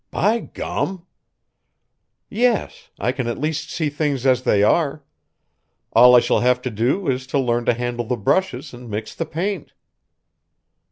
"By gum!" "Yes. I can at least see things as they are. All I shall have to do is to learn to handle the brushes and mix the paint."